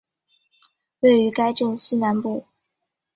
位于该镇西南部。